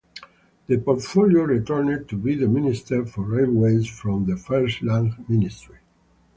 The portfolio returned to be the Minister for Railways from the first Lang ministry.